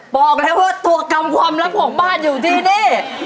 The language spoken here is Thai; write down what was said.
บอกเลยว่าตัวกรรมความลับของบ้านอยู่ที่นี่